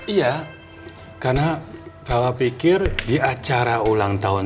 iya karena kami pikir di acara ulang tahun